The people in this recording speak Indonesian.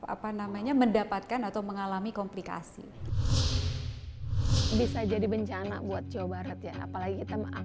apa namanya mendapatkan atau mengalami komplikasi bisa jadi bencana buat jawa barat ya apalagi kita